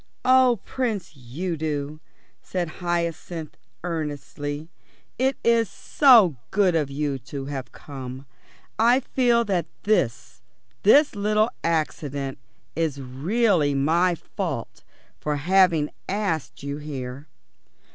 "Oh, Prince Udo," said Hyacinth earnestly, "it is so good of you to have come. I feel that this this little accident is really my fault for having asked you here."